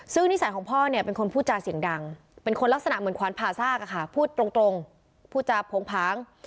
ซึ่งนิสัยของพ่อเนี่ยเป็นคนพูดจาเสียงดังเป็นคนลักษณะเหมือนขวานผ่าซากอะค่ะพูดตรงพูดจาโผงผาง